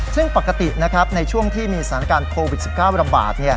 ซึ่งปกติในช่วงที่มีสถานการณ์โควิด๑๙ระบาด